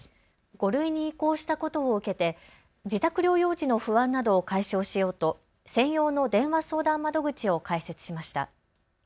５類に移行したことを受けて自宅療養時の不安などを解消しようと専用の電話相談窓口を開設しました。